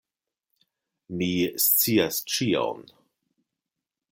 Mi scias ĉion.